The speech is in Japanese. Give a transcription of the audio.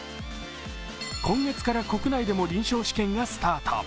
今月から国内でも臨床試験がスタート。